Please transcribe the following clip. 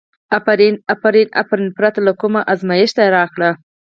افرین افرین، افرین یې پرته له کوم ازمېښته راکړه.